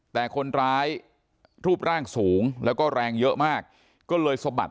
แต่คนร้ายรูปร่างสูงแล้วก็แรงเยอะมากก็เลยสะบัด